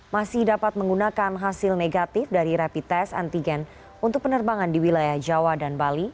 masih dapat menggunakan hasil negatif dari rapid test antigen untuk penerbangan di wilayah jawa dan bali